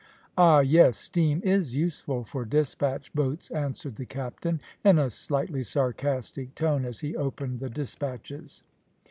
"Ah, yes, steam is useful for despatch boats," answered the captain, in a slightly sarcastic tone, as he opened the despatches.